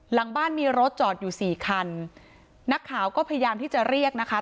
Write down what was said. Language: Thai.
หลังบ้านมีรถจอดอยู่สี่คันนักข่าวก็พยายามที่จะเรียกนะคะ